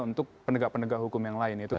untuk penegak penegak hukum yang lain itu